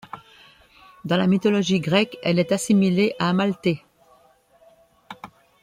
Dans la mythologie grecque, elle est assimilée à Amalthée.